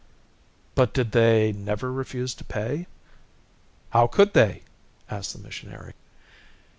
"But did they never refuse to pay?" "How could they?" asked the missionary.